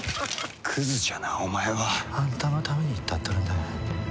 クズじゃなお前は。あんたのために言ったっとるんだがや。